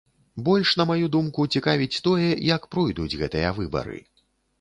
Больш, на маю думку, цікавіць тое, як пройдуць гэтыя выбары.